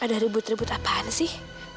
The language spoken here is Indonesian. ada rebut rebut apaan sih